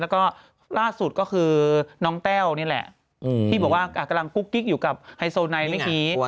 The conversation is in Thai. แล้วก็ล่าสุดก็คือน้องแต้วนี่แหละที่บอกว่ากำลังกุ๊กกิ๊กอยู่กับไฮโซไนเมื่อกี้